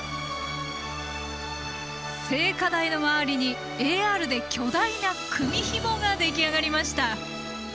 聖火台の周りにＡＲで、巨大な組みひもが出来上がりました。